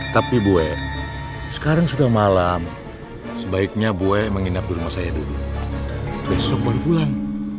tapi gue sekarang sudah malam sebaiknya gue menginap di rumah saya dulu besok baru pulang